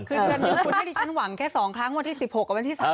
คือเดือนหนึ่งคุณให้ดิฉันหวังแค่๒ครั้งวันที่๑๖กับวันที่๓